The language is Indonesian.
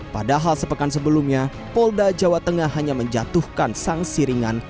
padahal sepekan sebelumnya polda jawa tengah hanya menjatuhkan sanksi ringan